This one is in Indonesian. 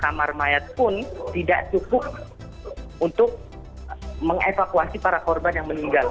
kamar mayat pun tidak cukup untuk mengevakuasi para korban yang meninggal